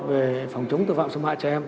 về phòng chống tự vọng xâm hại trẻ em